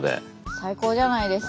最高じゃないですか。